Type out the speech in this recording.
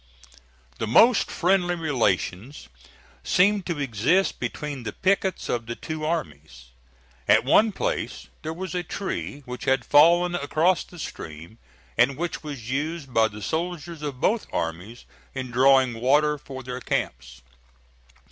The most friendly relations seemed to exist between the pickets of the two armies. At one place there was a tree which had fallen across the stream, and which was used by the soldiers of both armies in drawing water for their camps.